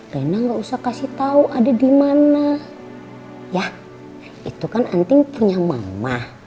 rena gak usah kasih tau ada dimana ya itu kan anting punya mama